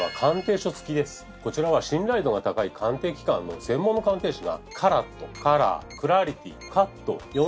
こちらは信頼度が高い鑑定機関の専門の鑑定士が。